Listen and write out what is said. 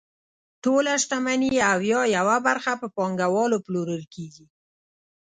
ټوله شتمني او یا یوه برخه په پانګوالو پلورل کیږي.